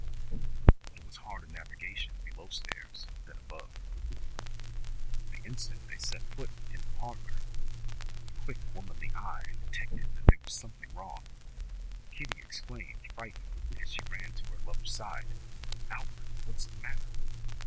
But it was harder navigation below stairs than above. The instant they set foot in the parlour the quick, womanly eye detected that there was something wrong. Kitty exclaimed, frightened, as she ran to her lover's side, "Alfred! What's the matter?"